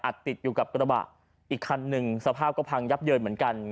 ติดอยู่กับกระบะอีกคันหนึ่งสภาพก็พังยับเยินเหมือนกัน